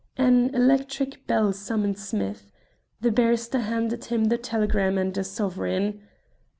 An electric bell summoned Smith. The barrister handed him the telegram and a sovereign.